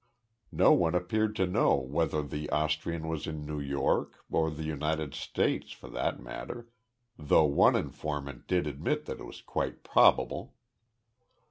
No one appeared to know whether the Austrian was in New York, or the United States, for that matter, though one informant did admit that it was quite probable.